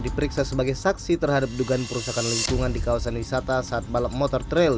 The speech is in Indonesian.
diperiksa sebagai saksi terhadap dugaan perusahaan lingkungan di kawasan wisata saat balap motor trail